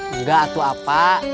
enggak atau apa